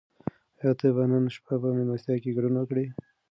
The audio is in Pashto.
آیا ته به نن شپه په مېلمستیا کې ګډون وکړې؟